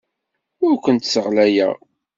Ur kent-sseɣlayeɣ.